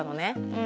うん。